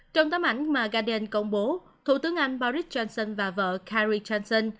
trong tấm ảnh mà guardian công bố thủ tướng anh boris johnson và vợ carrie johnson